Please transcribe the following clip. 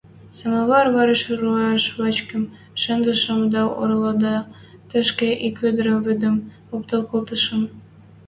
Самовар вӓреш руаш вачкым шӹндӹшӹм дӓ ородыла тӹшкӹ ик ведӹрӓ вӹдӹм оптал колтышым.